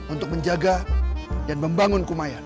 untuk menjaga dan membangun kumayan